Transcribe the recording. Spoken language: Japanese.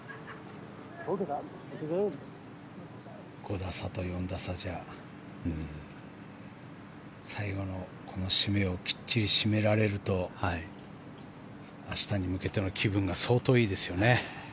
５打差と４打差じゃ最後のこの締めをきっちり締められると明日に向けての気分が相当いいですよね。